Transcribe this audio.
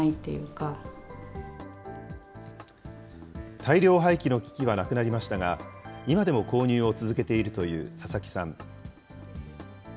大量廃棄の危機はなくなりましたが、今でも購入を続けているという佐々木さん。